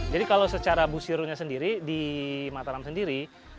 jadi kalau secara busurnya sendiri di mataram sendiri